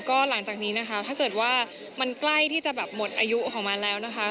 ก็หลังจากนี้นะคะถ้าเกิดว่ามันใกล้ที่จะแบบหมดอายุของมันแล้วนะคะ